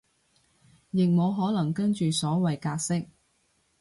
亦無可能跟住所謂格式